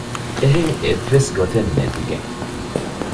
އެހެން އެއްވެސް ގޮތެއް ނެތިގެން